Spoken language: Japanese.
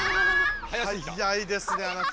速いですねあなた。